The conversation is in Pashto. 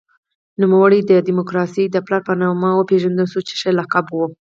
نوموړی د دموکراسۍ د پلار په نامه وپېژندل شو چې ښه لقب و.